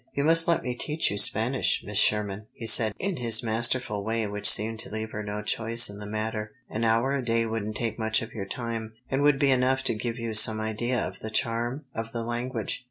"You must let me teach you Spanish, Miss Sherman," he said in his masterful way which seemed to leave her no choice in the matter. "An hour a day wouldn't take much of your time, and would be enough to give you some idea of the charm of the language.